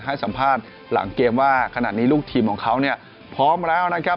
ให้สัมภาษณ์หลังเกมว่าขนาดนี้ลูกทีมของเขาเนี่ยพร้อมแล้วนะครับ